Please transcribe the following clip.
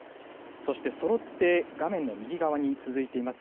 そしてそろって画面の右側に続いています